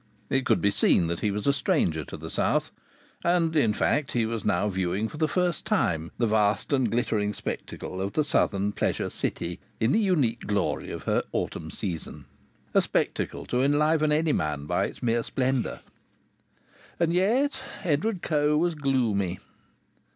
It could be seen that he was a stranger to the south; and, in fact, he was now viewing for the first time the vast and glittering spectacle of the southern pleasure city in the unique glory of her autumn season. A spectacle to enliven any man by its mere splendour! And yet Edward Coe was gloomy.